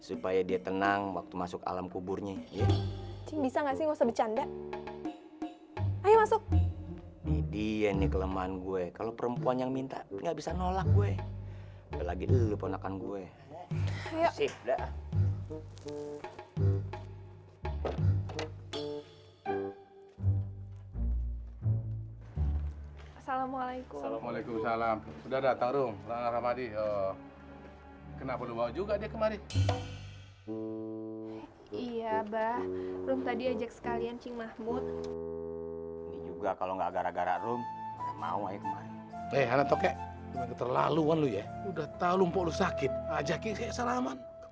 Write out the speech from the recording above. udah tau lompok lu sakit ajakin kayak salaman